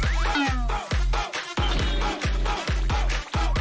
สมุกของที่นะครับ